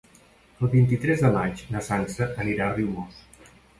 El vint-i-tres de maig na Sança anirà a Riumors.